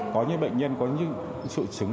có những bệnh nhân có triệu chứng